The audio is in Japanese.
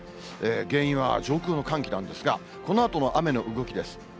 原因は上空の寒気なんですが、このあとの雨の動きです。